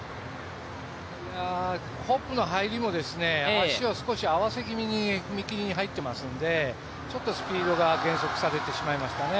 ホップの入りも少し足を合わせ気味に踏み切りに入っているのでスピードがちょっと減速されてしまいましたね。